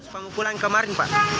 pengukulan kemarin pak